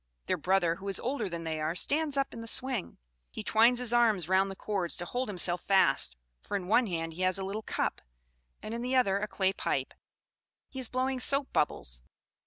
Their brother, who is older than they are, stands up in the swing; he twines his arms round the cords to hold himself fast, for in one hand he has a little cup, and in the other a clay pipe. He is blowing soap bubbles.